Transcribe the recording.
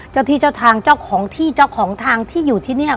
เจ้าที่เจ้าทางเจ้าของที่เจ้าของทางที่อยู่ที่นี่